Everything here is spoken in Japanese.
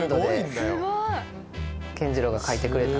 健二郎が描いてくれた。